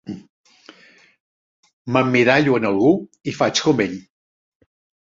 M'emmirallo en algú i faig com ell.